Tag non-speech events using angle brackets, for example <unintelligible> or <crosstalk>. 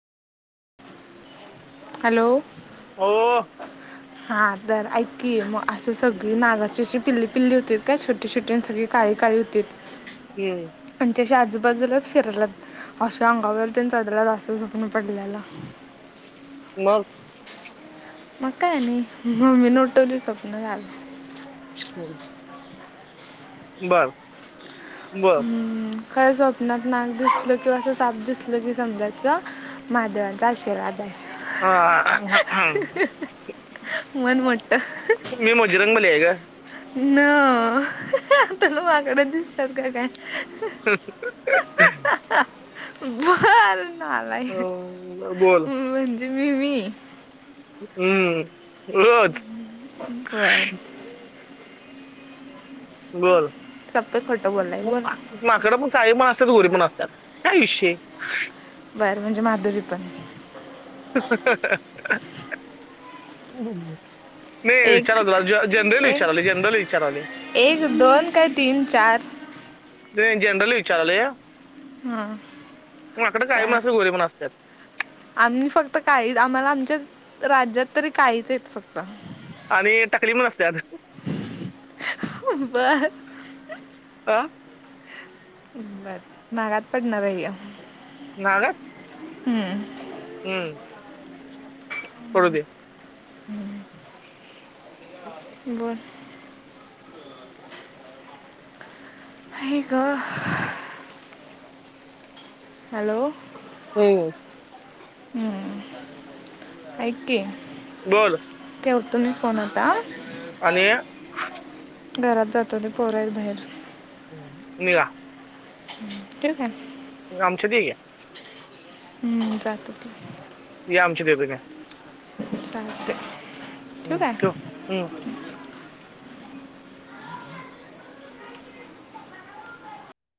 Hello हो. हा तर ऐक मग असं सगळी नागाची श पिल्ली पिल्ली होती काय छोटी छोटी सगळे का काळी होती ह आणि त्याशी आजूबाजूलाच फिरलात अशा अंगावरती चढला जा अस जखमी पडल्याला मग मग काय नाही मममी नोठवली स्वप्न झाल हम् बर ब हम् काय स्वप्नात नाक दिसल किंवा असं साप दिसल कि समजायचं मादवचाशिलाद आहे ह हा मन मोट्टा मीमजिरंगबली आहे का न आता माकड दिसतात का काय ह भर नालाय बोल म्हणजे मी मी हम्म रज बर बोल सतत खोटं बोललाय बोल माकड पण काही म असतात गोरी पण असतात काय विषय बरं म्हणजे माधुरी पण हम् नाही एक विचाराला जनरली ए विचाराले जनरली विचाराले एक दोन काय तीन चार जनरली विचारल या हां मग अकडे काही पण काय अस गोले पण असतात आम्ही फक्त काही आम्हाला आमच्या राज्यात तरी काहीच आहेत फक्त आणि टकली पणसतत बर आ बर नागात पडणार आहे मला हम्म हम्म करू दे हम् बन ह का हॅलो हो हम्म ऐके बोल ठेवतो मी फोन आता आणि घरात जातो ते पोर हाहीत बाहेर हम् निवा <unintelligible> ठेऊ काय आमच्या ते आहे <unintelligible> जातक <unintelligible> या आमचे घे <unintelligible> काय <unintelligible> सांगते हम ठेव हम् <unintelligible>